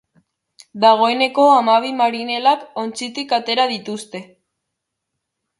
Dagoeneko hamabi marinelak ontzitik atera dituzte.